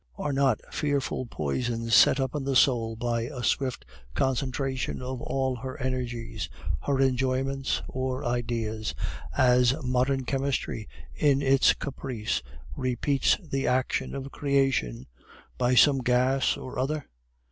Are not fearful poisons set up in the soul by a swift concentration of all her energies, her enjoyments, or ideas; as modern chemistry, in its caprice, repeats the action of creation by some gas or other?